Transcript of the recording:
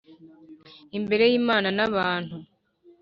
imbere y’imana n’abantu